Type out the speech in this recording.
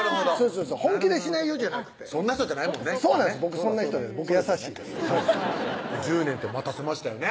本気で「しないよ」じゃなくてそんな人じゃないもんねそうなんです僕そんな人じゃない僕優しいです１０年って待たせましたよね